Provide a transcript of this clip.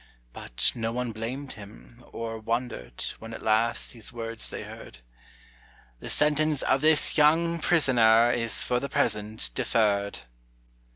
But no one blamed him, or wondered, When at last these words they heard, "The sentence of this young prisoner Is for the present deferred."